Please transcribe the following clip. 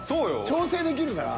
調整できるから。